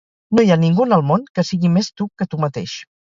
No hi ha ningú en el món que sigui més tu que tu mateix.